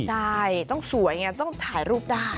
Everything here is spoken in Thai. ใช่ต้องสวยไงต้องถ่ายรูปได้